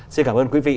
xin cảm ơn quý vị